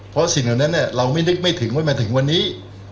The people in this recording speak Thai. เพราะสิ่งเหมือนนั้นเนี่ยเรามินึกไม่ถึงว่ามาถึงวันนี้